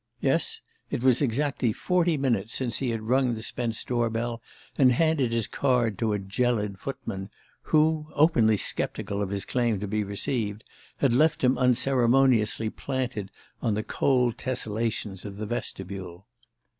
Yes it was exactly forty minutes since he had rung the Spence door bell and handed his card to a gelid footman, who, openly sceptical of his claim to be received, had left him unceremoniously planted on the cold tessellations of the vestibule.